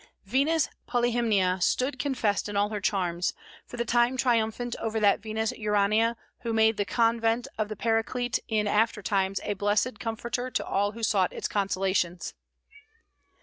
Venus Polyhymnia stood confessed in all her charms, for the time triumphant over that Venus Urania who made the convent of the Paraclete in after times a blessed comforter to all who sought its consolations.